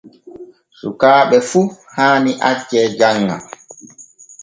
Sukaaɓe fu haani acce janŋa.